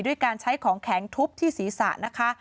ด้วยการใช้ของแข็งทุบที่ศีรษะนะคะ